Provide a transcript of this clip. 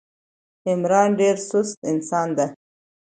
عمران ډېر سوست انسان ده.